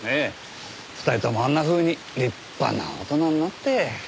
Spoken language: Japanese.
２人ともあんなふうに立派な大人になって。